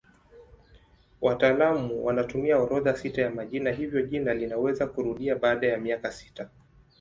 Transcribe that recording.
Wataalamu wanatumia orodha sita ya majina hivyo jina linaweza kurudia baada ya miaka sita.